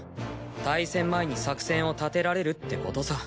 対戦前に作戦を立てられるってことさ。